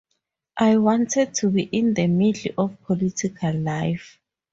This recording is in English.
I wanted to be in the middle of political life.